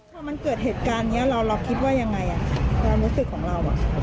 พอมันเกิดเหตุการณ์นี้เราคิดว่ายังไงความรู้สึกของเรา